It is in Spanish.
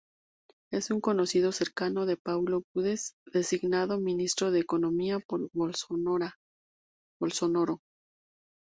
Es un conocido cercano de Paulo Guedes, designado ministro de Economía por Bolsonaro.